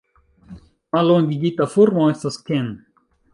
Mallongigita formo estas Ken.